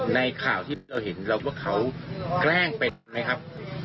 ในข่าวที่เราเห็นเราว่าเขาแกล้งไปไหมครับ